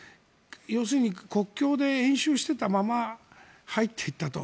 要するに国境で演習していたまま入っていったと。